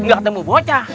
gak ketemu bocah